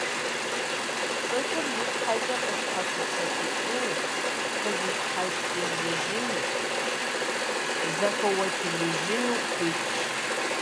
ЦӀыхур и щхьэ къыщхьэщыпсэлъыкӀыну, къызыщхьэщыжыжыну, зыхуэуэчылыжыну хуитщ.